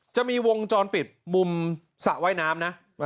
จะมีวงจรปิดมุมสระว่ายน้ำนะ